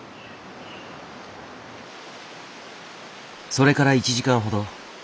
それから１時間ほど。